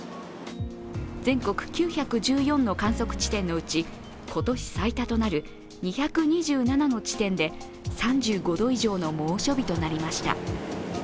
全国９１４の観測地点のうち今年最多となる２２７の地点で３５度以上の猛暑日となりました。